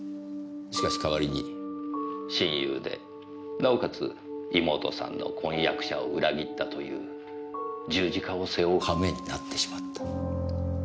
しかし代わりに親友でなおかつ妹さんの婚約者を裏切ったという十字架を背負う羽目になってしまった。